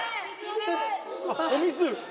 お水。